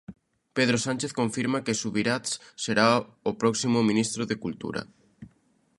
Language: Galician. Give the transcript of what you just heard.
Pedro Sánchez confirma que Subirats será o próximo ministro de Cultura.